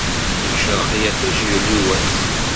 Yecreq yiṭij yuli wass.